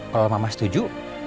kalau mama setuju